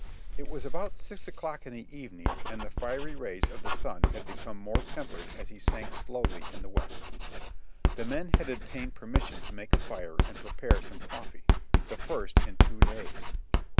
It was about six o'clock in the evening and the fiery rays of the sun had become more tempered as he sank slowly in the west. The men had obtained permission to make a fire and prepare some coffee — the first in two days.